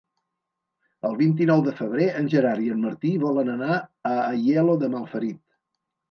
El vint-i-nou de febrer en Gerard i en Martí volen anar a Aielo de Malferit.